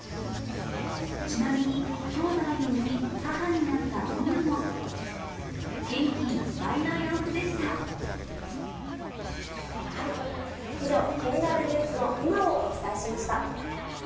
ちなみに、きょうだいを産み、母になったポニョも、元気いっぱいの様子でし以上、気になるニュースの今をお伝えしました。